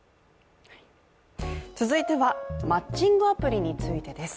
続いては、マッチングアプリについてです。